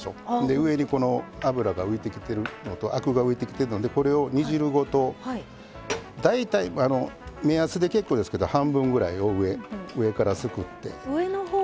上に、脂が浮いてきているのとアクが浮いてきてるのでこれを煮汁ごと大体目安で結構ですけど半分ぐらいを上からすくって。